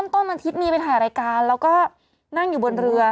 ต้นอาทิตย์มีไปถ่ายรายการแล้วก็นั่งอยู่บนเรือ